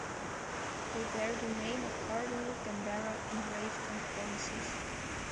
They bear the name of Cardinal Gambara engraved on the cornices.